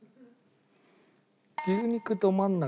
牛肉どまん中。